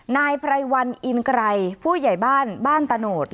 นายไพรวันอินไกรผู้ใหญ่บ้านบ้านตะโนด